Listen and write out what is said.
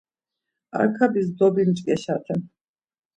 Arkabis dobimç̌ǩeşaten.